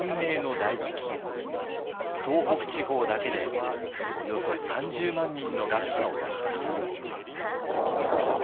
東北地方だけでおよそ３０万人の餓死者を出しました。